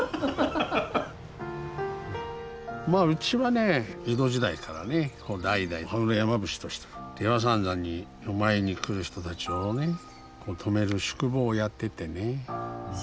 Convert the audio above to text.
まあうちはね江戸時代からね代々羽黒山伏として出羽三山にお参りに来る人たちをね泊める宿坊をやっててね。